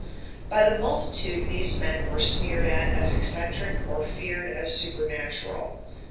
By the multitude these men were sneered at as eccentric or feared as supernatural.